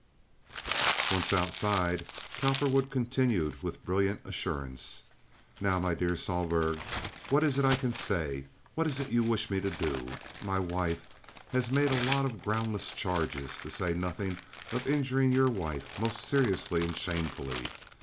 Once outside, Cowperwood continued with brilliant assurance: "Now, my dear Sohlberg, what is it I can say? What is it you wish me to do? My wife has made a lot of groundless charges, to say nothing of injuring your wife most seriously and shamefully.